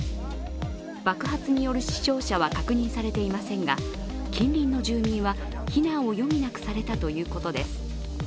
爆発による死傷者は確認されていませんが近隣の住民は避難を余儀なくされたということです。